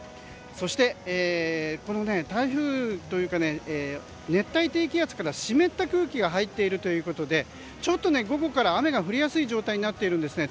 そして台風というか熱帯低気圧から湿った空気が入っているということで午後から雨が降りやすい状態になっているんですね。